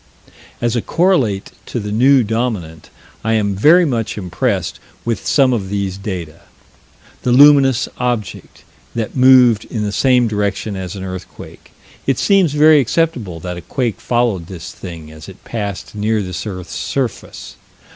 As a correlate to the New Dominant, I am very much impressed with some of these data the luminous object that moved in the same direction as an earthquake it seems very acceptable that a quake followed this thing as it passed near this earth's surface.